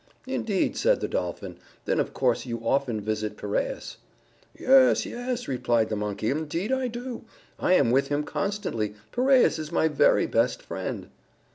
"Indeed," said the Dolphin. "Then of course you often visit Piraeus." "Yes, yes," replied the Monkey. "Indeed, I do. I am with him constantly. Piraeus is my very best friend."